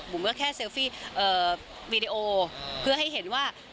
ก็แค่เซลฟี่วีดีโอเพื่อให้เห็นว่า